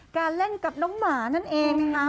การเล่นกับน้องหมานั่นเองนะคะ